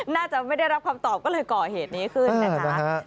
น่าจะไม่ได้รับคำตอบก็เลยก่อเหตุนี้ขึ้นนะคะ